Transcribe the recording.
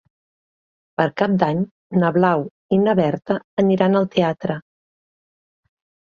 Per Cap d'Any na Blau i na Berta aniran al teatre.